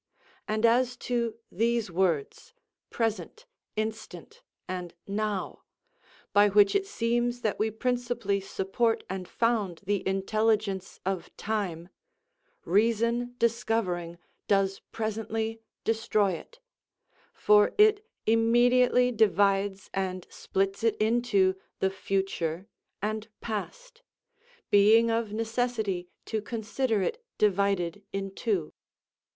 And as to these words, present, instant, and now, by which it seems that we principally support and found the intelligence of time, reason, discovering, does presently destroy it; for it immediately divides and splits it into the future and past, being of necessity to consider it divided in two.